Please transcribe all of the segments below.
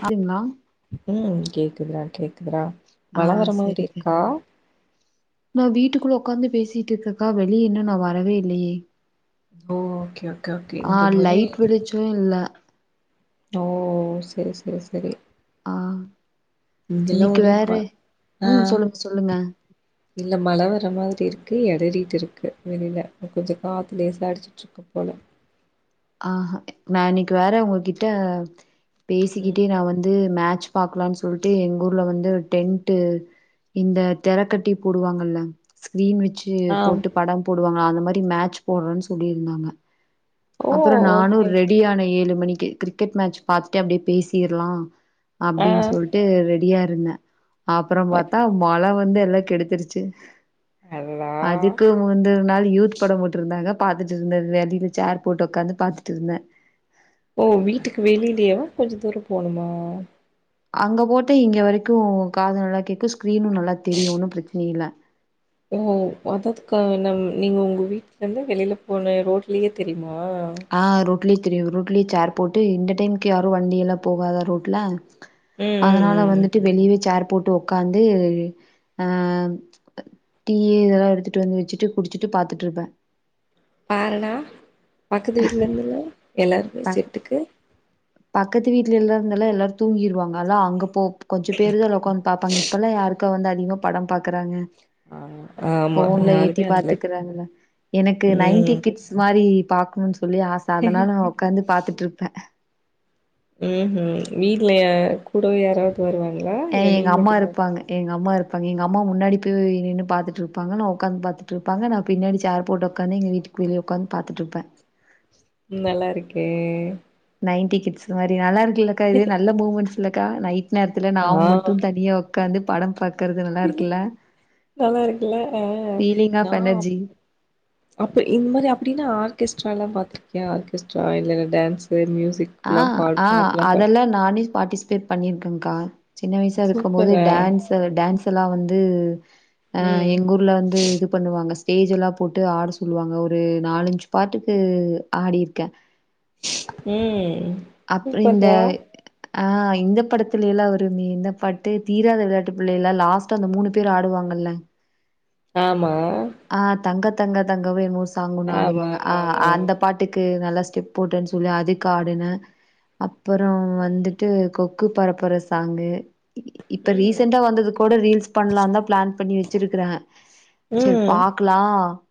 அப்டிங்ளா உம் கேக்குதுறா கேக்குதுறா ஆ மழ வர மாரி செரிங்க இருக்கா நா வீட்டுக்குள்ள உக்காந்து பேசிட்டு இருக்கக்கா வெளிய இன்னு நா வரவே இல்லயே ஓ! Okay, okay, okay. ஆ இங்க ஒரே லைட் வெளிச்சோ இல்ல ஓ செரி செரி செரி ஆ இங்யெல்லா இன்னைக்கு ஒரே வேற ப ஆ ம் சொல்லுங்க சொல்லுங்க இல்ல மழ வர மாரி இருக்கு கு எடறிட்டு இருக்கு வெளில கொஞ்ச காத்து லேச அடிச்சுட்டு இருக்கு போல அஆ நா இன்னிக்கு வேற உங்ககிட்ட ம். பேசிக்கிட்டே நா வந்து மே சு பாக்கலான்னு சொல்ட்டு எங்க ஊர்ல வந்து டென்ட் இந்த தெரக்கட்டி போடுவாங்கல்ல [unintelligible] வெச்சு ஆ. போட்டு படம் போடுவாங்களா அந்த மாரி மேட்ச் போற்றோன்னு சொல்லி இருந்தாங்க ஓ! அப்பறோ நானு ஓகே, ஓகே. ரெடி ஆன ஏழு மணி கி கிரிக்கெட் மேட்ச் பாத்துட்டு அப்டே பேசிர்லா ஆ. அப்டின்னு சொல்ட்டு ரெடியா என்ன அப்புறோ பாத்தா மழ வந்து ல்ல கெடுத்துருச்சு அடடா! அதுக்கு முந்தன் நாள் யூத் படம் போட்டிருந்தாங்க பாத்துட்டு இருந்தது [unintelligible] சார் போட் உக்காந்து பாத்துட்டு இருந்தே ஓ வீட்டுக்கு வெளிலேவா கொஞ்ச தூரம் போணுமா அங்க போட்டு இங்க வரைக்கும் காத நல்லா கே்க ஸ்கரீனும் நல்லா தெரியும்ன்னும் பிரச்சின இல்லை ஓ அததுக்கு நம் நீங்க உங்க வீட்ல இருந்து வெளியில போன ரோட்லயே தெரியுமா ஆ ரோ கில்லே தெரியு ரோட்லய சேர் போட்டு இந்த டைம்கு யாரோ வண்டி எல்லா போவாதா ரோட்ல ம், அதனால ம், ம். வந்துட்டு வெளிவே சார் போட்டு உக்காந்து அ டீ இதெல்லா எடுத்துட்டு வந்து வச்சுட்டு குடிச்சுட்டு பாத்துட்டு இருப்பே பாருடா பக்கத்து வீட்ல இருந்துல்ல எல்லாருமே ப செட்டுக்கு பக்கத்து வீட்ல எல்லா இருந்தல்லாம் எல்லாரும் தூங்கிருவாங்க அதா அங்க போ கொஞ்சம பேருதா உக்காந்து பாப்பாங்க இப்பல்ல யாருக்கு இப்ப வந்து அதிகமா படம் பாக்குறாங்க ஆ ஆமா போன்ல யாருமே ஏத்தி அந்தல பாத்துக்கறாங்க எனக்கு ம் நைன்டி கிட்ஸ் மாரி பாக்கனு சொல்லி ஆசா அதனால நா உக்காந்து பாத்துட்டு இருப்பே ம் ஹூம் வீட்ல எ கூடவே யாராவது வருவாங்களா இல்ல நீ மட்டும்தானா ப்பங்க எங்க அம்மா முன்னாடி போய் நின்னு பாத்துட்டு இருப்பாங்க நா உட்காந்து பாத்துட்டு இருப்பாங்க நா பின்னாடி ச்சேர் போட்டு உக்காந்து எங்க வீட்டுக்கு வெளிய உட்காந்து பாத்துட்டு இருப்பே நல்லா இருக்கே நைன்ட்டி கிட்ஸ் மாரி நல்லா இருக்கு கீழ கை வை நல்லா மூமெண்ட்ஸ் இல்லைக்கா நைட் நேரத்துல நா ஆ மட்டும் தனியா உட்காந்துப் படம் பாக் நல்லா இருக்குல்ல அ ஃபீலிங் ஆஃப் நா அப் எனர்ஜி. அப்ப இந்த மாரி அப்டின்னா ஆர்கெஸ் கெஸ்ட்ராலா பாத்ருக்கியா ஆர்கெஸ்ட்ரா இல்ல இல்ல டான்ஸ்ஸு மியூசிக் அ அ அதெல்லாம் நானே பார்டிஸ் பேட் பண்ணியிருக்கங்க்கா சின்ன வயசா இருக்கும்போது சூப்பர்ரா டான்ஸ் அது டான்ஸ் எல்லாம் வந்து அ ம் எங்க ஊர்ல வந்து இது பண்ணுவாங்க ஸ்டேஜ் எல்லா போட்டு ஆட சொல்லுவாங்க ஒரு நாலஞ்சு பாட்டுக்கு ஆடிருக்கே ம் அப்பறம் இந்த சூப்பர்ரா அ இந்த படத்துலயெல்லா வருமே இந்தப்பாட்டு தீராத விளையாட்டு பிள்ளைல லாஸ்ட்டா அந்த மூணு பேரு ஆடுவாங்கல்ல ஆமா ஆ தங்க தங்க தங்கவே மோஸ் சாங்க் ஒன்னு ஆமா ஆடுவாங்க அ ஆமா ஆமா அ அந்த பாட்டுக்கு நல்லா ஸ்டெப் போட்டேன்னு சொல்லி அதுக்கு ஆடுனே அப் அப்பறம் வந்துட்டு கொக் குப் பறப்பற சாங்கு இ இப்ப ம் ரீசென்ட்டா வந்தது கோட ரீல்ஸ் பண்லாந்தா பிளான் பண்ணி வெச்சிருக்கிறே செரி ம் பாக்லா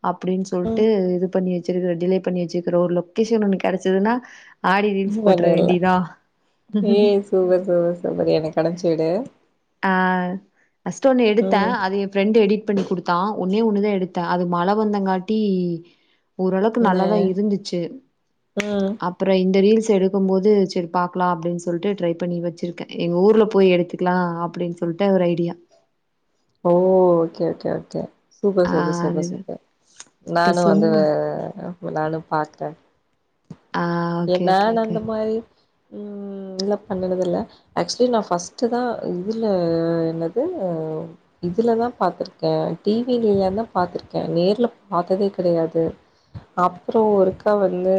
அப்டின் ம் சொல்ட்டு இது பண்ணி வெச் செரி இதுல டிலே பண்ணி வெச்சிக்குறோ லொகேஷன் ஒன்னு கெடைச்சிதுனா ஆடி ரீல்ஸ் உள்ளே உட்லே வேண்டியதா. ஏய் சூப்பர் சூப்பர் சூப்பர் எனக் கெடைச் தகடே ஆ ஃபர்ஸ்ட்டு ஒன்னு எடுத்தே ம் அது எ ஃப்ரெண்ட்டு எடிட் பண்ணி கொடுத்தா ஒன்னே ஒன்னுதா எடுத்தே அது மழ வந்தேங்காட்டி ஓரளவுக்கு என்ன நல்லாதா இருந்துச்சு ம் அப்புற இந்த ரீல்ஸ் தெடுக்கும் போது செரி பாக்குலா அப்டின்னு சொல்ட்டு ட்ரை பண்ணி வெச்சிருக்கே எங்க ஊர்ல போய் எடுத்துக்குலா அப் புடின் சொல்ட்டு ஒரு ஐடியா ஓ ஓகே ஓகே ஓகே சூப்பர் ஆ சூப்பர் சூப்பர் அதுதா சூப்பர் இப்ப நானு வந்து சொம்ப வ அ போலான்னு பாத்தே ஆ ஓகே ஓகே என்னன் ஓகே அந்த மாரி ம் இல்ல பண்ணனது இல்ல ஆக்சுவலி நா ஃபஸ்ட்டு தா இதுல என்னது இதுலதா பாத்துருக்கே டி விலந் தா பாத்துருக்கே நேர்ல பாத்ததே கிடையாது அப்புறோ ஒருக்கா வந்து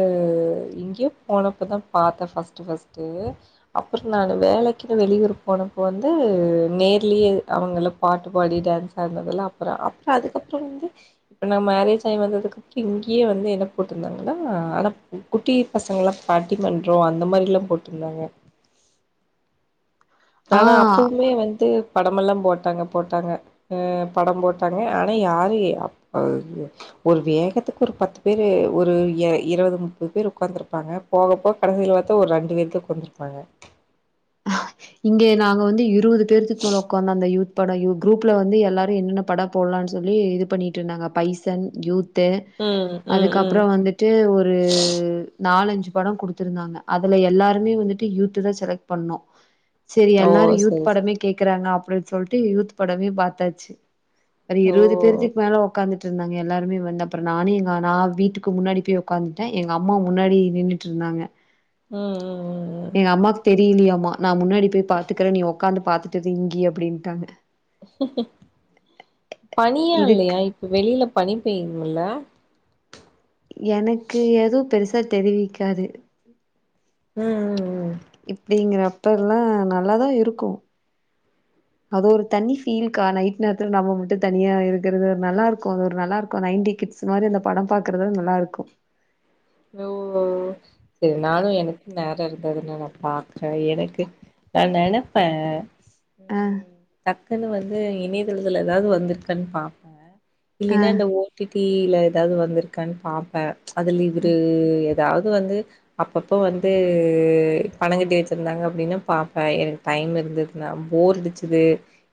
ங்கியோ போனப்ப தா பாத்தே ஃபர்ஸ்ட்டு ஃபர்ஸ்ட்டு அப்புறோ நானு வேலைக்கின்னு வெளியூர் போனப்போ வந்து நேர்லியயே அவங்கள பாட்டு பாடி டேன்ஸ் ஆட்னதல்லா அப்புறோ அப்புறோ அதுக்கப்புறோ வந்து இப்போ நா மேரேஜ் ஆயி வந்ததுக்கப்பு இங்கேயே வந்து என்ன போட்ருந்தாங்கன்னா ஆனா [unintelligible] குட்டி பசங்கல்லா பட்டி மன்றோ அந்த மாரில்லா போட்ருந்தாங்க ஆனா ஆ அப்பவுமே வந்து படமெல்லாம் போட்டாங்க போட்டாங்க ஆ படம் போட்டாங்க ஆனா யாரு [unintelligible] ஒரு வேகத்துக்கு ஒரு பத்து பேரு ஒரு எ இருவது முப்பது பேர் உக்காந்துருப் ப்பாங்க போக போக் கடசில பாத்தா ஒரு ரெண்டு பேத்துக் [unintelligible] இங்கே நாங்க வந்து இ இருவுது தேர்த்துக்கு மேல ஒக்காந்து அந்த யூத் படயு குரூப்புல வந்து எல்லாரு என்னென்ன படப் போட்லான் சொல்லி இது பண்ணிட்டு இருந்தாங்க பைசன் யூத் து ம் ம் ம் அதுக்கப்புறோ வந்துட்டு ஒரு நாலஞ்சு படோ குடுத்துருந்தாங்க அதுல எல்லாருமே வந்துட்டு யூத்து தா செலக்ட் பண்ணோ சேரி ஓ எல்லாரு யூத் செரி செரி படமே கேக்குறாங்க அப் அப்படின்னு சொல்லிட்டு யூத் படமே பார்த்தாச்சு ஒரு ஓ இருபது பேருத்துக்கு மேல உக்காந்து ட்டு இருந்தாங்க எல்லாருமே வந்து அப்புறம் நானும் எங்க நான் வீட்டுக்கு முன்னாடி போய் உக்காந்துட்டேன் எங்க அம்மா முன்னாடி நின்னுட்டு இருந்தாங்க ம் ம்ம்ம் லியாம்மா நான் முன்னாடி போய் பாத்துக்கறன் நீ உக்காந்து பாத்துட்டிரு இங்கய அப்படின்ட்டாங்க பனியா இதுக்கு இல்லையா இப்ப வெளியில பண்ணிப்பயங்களல எனக்கு ஏதோ பெருசா தெரிவிக்காது உஹம் உம் உம் இப்படிங்கறப்ப எல்லாம் நல்லாதான் இருக்கும் அது ஒரு தனி ஃபீல்கா நைட் நேரத்துல நம்ம மட்டும் தனியா இருக்கறிறது நல்லா இருக்கும் அது ஒரு நல்லா இருக்கும் நைன்டி கிட்ஸ் மாதிரி அந்த படம் பாக்குறது நல்லா இருக்கும் ஓ சரி நானும் எனக்கு ந இருந்தது நா பாக்குறேன் எனக்கு நா நினைப்பேன் ஆ உம் டக்குன்னு வந்து வந்து இணையதளத்தில்ல ஏதாவது வந்திருக்கன்னு பாப்பேன் ஆ இல்னா இந்த ஓ டி டி ஏதாவது வந்திருக்கான பாப்பேன் தூ ஏாவது வந்து அப்பப்ப வந்து பணங்கட்டி வச்சிருந்தாங்க அப்படின்னா பாப்பேன் எனக்கு டைம் இருந்ததுன்ன போர்டிச்சது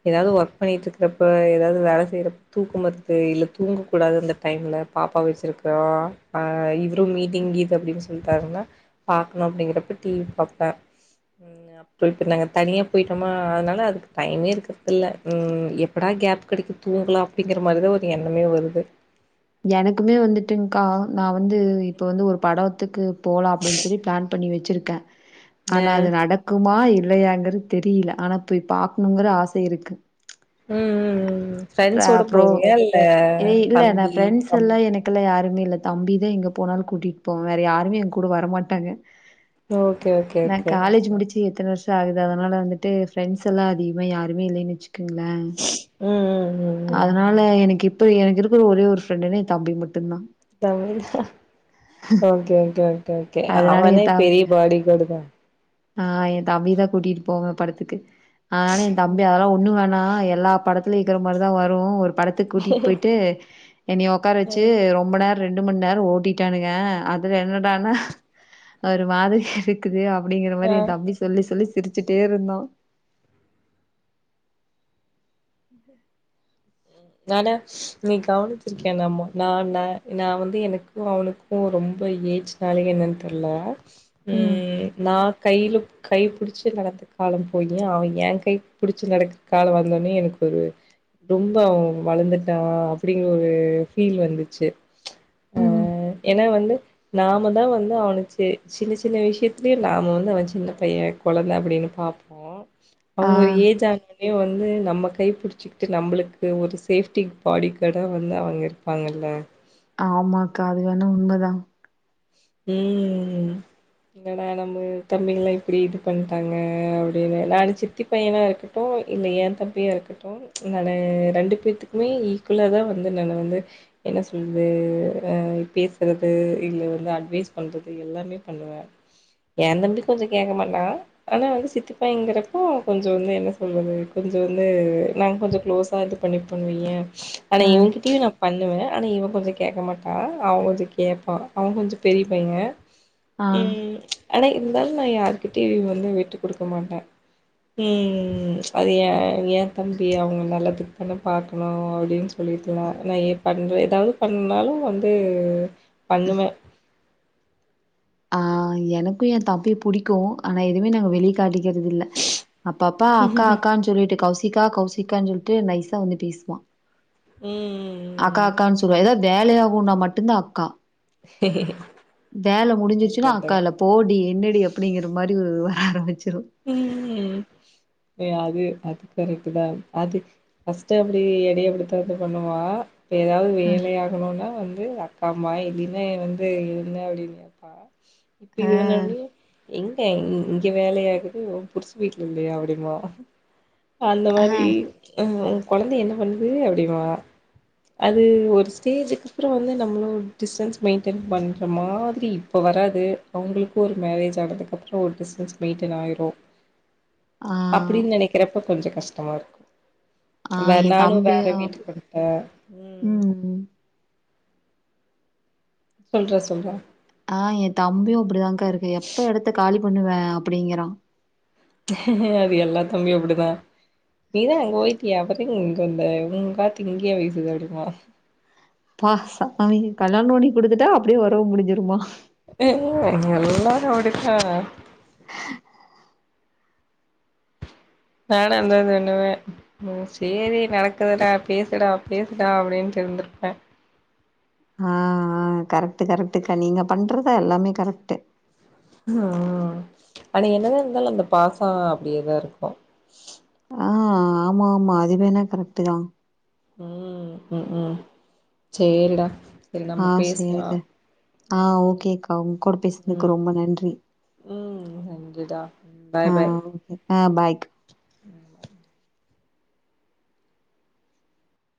ஏதாவது ஒர்க் பண்ணிட்டு இருக்கிறப்ப ஏதாவது வேலை செய்யற தூக்க மறுது இல்ல தூங்கக்கூடாது அந்த டைம்ல பாப்பா வச்சிருக்கிறோம்ஹ் மீட்டிங் இது அப்படின்னு சொல்லிட்டாருன்னா பாார்கக்கணும் அப்படிங்கறப்ப டிவி பாார்ப்பன் அப்புறம் இப்ப நாங்க தனியா போயிட்டோம்மா அதனால அதுக்கு டைமே இருக்கறத இல் எப்படா கேப் கிடைக்க தூங்கலாம் அப்படிங்கிற மாதிரிதா ஒரு எண்ணமே வருது எனக்குமே வந்துட்டு்கா நா வந்து இப்ப வந்து ஒரு படம் த்துக்கு போலா அப்டின் சொல்லி ப்ளன் பண்ணி வச்சிருக்க அ ஆனா ம் அது நடக்குமா இ இல்லையாங்கறது தெரியல ஆனா பேய் பாக்கணுங்கற ஆச இருக்கு ம் ம் ம் ட்ரா ஃப்ரெண்ட்ஸோட ப்ரோ போவியா இல்ல தம்பி மே இல்ல தம்பி தா எங்க போனாலு கூட்டிட்டு போவா வேற யாருமே எங் கூட வரமாட்டாங்க ஓகே ஓகே ஓகே சு எத்தன வருஷோ ஆகுது அதனால வந்துட்டு ப்ரெண்டஸ் எல்லா அதிகமா யாருமே இல்லின் வச்சு கங்ள ம் ம் ம் ம் அதனால எனக்கு இப் ப்போ எனக்கு இருக்கிற ஒரே ஒரு ஃப்ரண்டுனா எ தம்பி மட்டுந்தா Tamil okay okay okay okay அதனால அவனே என் பெரிய தம்பி பாடிகாடு தா ஆ எ தம்பிதா கூட்டிட்டு போவ படத்துக்கு அனால எ தம்பி ம் அதெல்லா ஒண்ணு வண் னா எல்லா படத்துலயு இக்கிற மாரி தா வரு ஒரு படத்துக்கு கூட்டிட் போய்ட்டு என்னிய உக்கார அ வச்சு ரொம்ப ந ரெண்டு மண் நேரோ ஓட்டிட்டானுங்க அதுல என்னடானா ஒரு மாதிரி இருக்குது அப் படிங்கற மாரி எ ஆ. தம்பி சொல்லி சொல்லி சிரிச்சிட்டே இருந்தா நானா நீ கவனிச்சிருக்கென்னம்மோ நா ந நா வந்து எனக்கு அவனுக்கு ரொம்ப ஏஜ்னால என்னன் தெர்ல ம் நா கையிலு கை புடிச்சு நடந்த காலம் போயி அவ ஏ கை புடிச்சு நடக்குற காலோ வந்தோன்னே எனக்கு ஒரு ரொம்ப அவ வளந்துட்டா அப்டிங்கிற ஒரு ஃபீல் வந்துச்சு ப்ச் ஆ ம். ஏனா வந்து நாமதா வந்து அவன சி சின்ன சின்ன விஷயத்துலே நாம வந்து அவன் சின்ன பைய கொழந்த அப்டின்னு பாப்போ ஆ. அவங்க ஒரு ஏஜ் ஆ [inaudible] னே வந்து நம்ம கை புடிச்சிக் ட்டு நம்மளுக்கு ஒரு சேஃப்டி பாடி கார்டா வந்து அவங்க இருப்பாங்கல்ல ஆமா அக்கா அது வேணா உண்மதா ம் என்னடா நம்ம தம்பிகல்லா இப்டி இது பண்ட்டாங்க அப்டினு நானு சித்தி பையனா இருக்கட்டு இல்ல எ தம்பியா இருக்கட்டு நானு ரெண்டு பேத்துக்குமே ஈக்குவலாதா வந்து நானு வந்து என்ன சொல்லது அ பேசுறது இல்ல வந்து அ ட்வேஸ் பண்றது எல்லாமே பண்ணுவ ஏ தம்பி கொஞ்சோ கேக்க மாட்டா ஆனா வந்து சித்தி பையங்கிறப்போ கொஞ்சோ வந்து என்ன சொல்றது கொஞ்சோ வந்து நாங்க கொஞ்சோ க்ளோஸா இது பண்ணிப்போன் வைய ஆனா ஆ. இவங்ககிட்டயு நா பண்ணுவ ஆனா இவெ கொஞ்சோ கேக்க மாட்டா அவெ கொஞ்சோ கேப்பா அவ கொஞ்சோ பெரிய பையங்க ஆ. ம் ச் ஆனா இருந்தாலு நா யாருக்கிட்டயு வந்து விட்டு குடுக்க மாட்ட ம் அது ஏ ஏ தம்பி அவங்க நல்லதுக்கு தான பாக்கணு அப்டின் சொல்லிட்லா நா ஏ பண்ற எதாவ்து பண்ணாலு வந்து பண்ணுவ அ எனக்கு என் தப்பி புடிக்கு ஆனா எதுமே நாங்க வெளிக்காட்டி க்கிறதில்ல அப்பப்பா அக்கா அக்கான்னு சொல்லிட்டு கௌஸ் சிக்கா கவுசிக்கான்னு சொல்லிட்டு நைஸா வந்து பேசுவா ம் அக்கா ம் அக்கான் சொல்லுவா எதாது வேலையாகுன்னா மட்டுந்தா அக்கா வேல முடிஞ்சிச்சுன்னா அதுக்கடுத்தவ அக்கால போடி என்ன டி அப்படிங்கிற மாரி ஒரு வர ஆரம்பிச்சு சிரு ம் ஏ அது அது கரெக்ட்டுதா அது ஃபஸ்ட் அப்படி என்னையே அப்டித்தாத்த பண்ணுவா இப்போ எதாவது அ, வேலையாகணுன்னா வந்து அக் ஆமா இல்லினா வந்து என்ன அப்டின்னு கேப்பா இப்ப இது [unintelligible] எங் ஏ இங் இங்கே வேலையாகு நீ ஓ புருஷ வீட்டுல இல்லையா அப்டிம்பா அந்த மாரி அ, அஹ் ஹ கொழந்த என்ன பண்ணுது அப்டிமா அது ஒரு ஸ்டேஜுக்கு அப்பறொ வந்து நம்மளு டிஸ்டன்ஸ் மெயின்டென் பண்ற மாதிரி இப்போ வராது அவங்களுக்கு ஒரு மேரேஜ் ஆனதுக்கப்புறொ ஒரு டிஸ்டன்ஸ் மெயின்டென் ஆயிரு ரு ஆ, அப்டின் நெனைக்கிறப்போ கொஞ்சொ கஷ்டமா ஆ இருக்கு வேற என் நானு வேற தம்பியும் வீட்டுக்கு வண்ட்டே உம் ம். சொல்றா சொல்றா ஆஹ் என் தம்பியும் அப்படிதான்கா இருக்கு எப்ப எடத்த காலி பண்ணுவ அப்படிங்கறான் அது எல்லா தம்பியு அப்பிடிதா நீதா அங்க போய்டியே அப்பற எ இங்க வந்த ஊங்காத்து இங் ஏ வீசுது அப்டின்வா பா ச அவைங்க கல்யா பண்ணி குடுத்துட்டா அப்டியே ஒறவு முடிஞ்சிருமா எல்லாரோ அப்பிடிதா நானா இந்தா பண்ணுவே ம் சேரி நடக்கு [unintelligible] பேசுடா பேசுடா அப்டின்டு இர்ந்துருப்பே அ அ கரெக்ட்டு கரெக்டுக்கா நீங்க பண்றதுதா எல்லாமே கரெக்ட்டு ம் ம் ஆனா என்னதா இருந்தாலு அந்த பாசோ அப்டியேதா இருக்கோ ஆ ஆமா ஆமா அதுவேணா கரெக்ட்டு தா ம் ம் ம் சேரிடா சரி நம்ம அ பேசலா செரி அ ம் ஓகே க்கா உங் கூட பேஸ்னுக்கு ரொம்ப நன்றி [unintelligible] நன்றி டா அ ஓகே அ பாய்